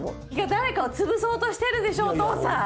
誰かを潰そうとしてるでしょお父さん。